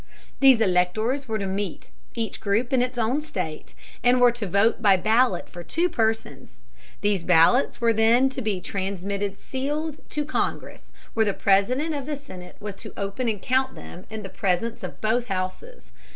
These electors were to meet, each group in its own state, and were to vote by ballot for two persons. These ballots were then to be transmitted sealed to Congress, where the President of the Senate was to open and count them in the presence of both houses.